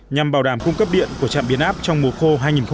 nhằm bảo đảm cung cấp điện của chặng biến áp trong mùa khô hai nghìn một mươi tám